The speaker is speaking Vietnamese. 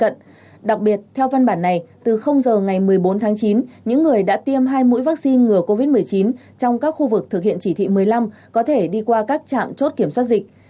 từ giờ ngày một mươi bốn tháng chín những người đã tiêm hai mũi vaccine ngừa covid một mươi chín trong các khu vực thực hiện chỉ thị một mươi năm có thể đi qua các trạm chốt kiểm soát dịch